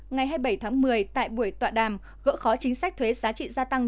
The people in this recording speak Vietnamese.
ngày hai mươi bảy tháng một mươi tại buổi tọa đàm gỡ khó chính sách thuế giá trị gia tăng